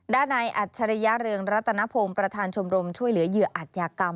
ด้านในอัจฉริยะเรืองรัตนพงศ์ประธานชมรมช่วยเหลือเหยื่ออัตยากรรม